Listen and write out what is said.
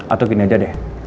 atau gini aja deh